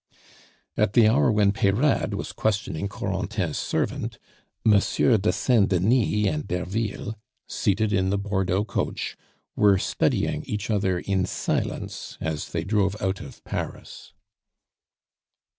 At the hour when Peyrade was questioning Corentin's servant, Monsieur de Saint Denis and Derville, seated in the Bordeaux coach, were studying each other in silence as they drove out of Paris.